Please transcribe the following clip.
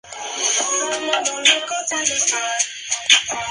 Éste le nombró su Jefe Superior de Palacio.